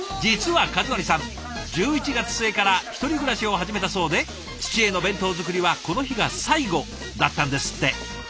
実は和範さん１１月末から一人暮らしを始めたそうで父への弁当作りはこの日が最後だったんですって。